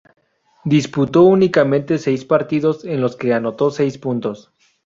Disputó únicamente seis partidos en los que anotó seis puntos.